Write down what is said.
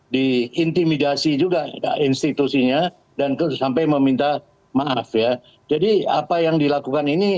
diintimidasi juga institusinya dan sampai meminta maaf ya jadi apa yang dilakukan ini